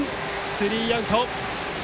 スリーアウト。